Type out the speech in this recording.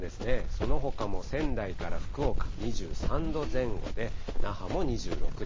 そのほかも仙台から福岡２３度前後で、那覇も２６度。